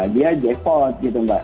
dia jepot gitu mbak